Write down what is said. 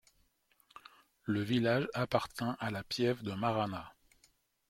Le village appartient à la piève de Marana.